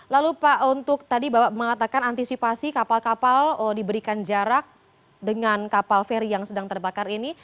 lalu pak untuk tadi bapak mengatakan antisipasi kapal kapal diberikan jarak dengan kapal feri yang sedang terbakar ini